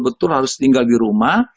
betul harus tinggal di rumah